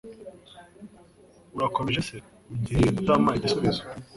Urakomeje se ugiye utampaye igisubizo